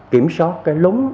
kiểm soát cái lúng